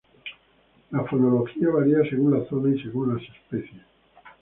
La fonología varía según la zona y según las especies.